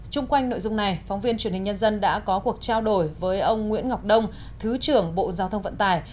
trung quanh nội dung này phóng viên truyền hình nhân dân đã có cuộc trao đổi với ông nguyễn ngọc đông thứ trưởng bộ giao thông vận tải